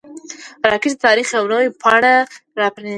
راکټ د تاریخ یوه نوې پاڼه پرانیسته